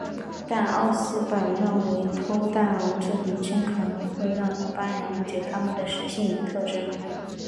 但奥斯本认为偷蛋龙这名称可能会让一般人误解它们的食性与特征。